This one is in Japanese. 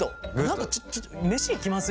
何かちょっと「飯行きます？」